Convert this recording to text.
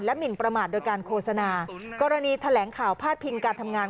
หมินประมาทโดยการโฆษณากรณีแถลงข่าวพาดพิงการทำงาน